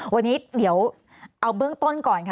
วันนี้เดี๋ยวเอาเบื้องต้นก่อนค่ะ